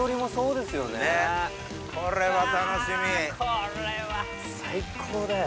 これは最高だよ。